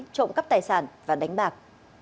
trộm cắp tài sản và đánh bạc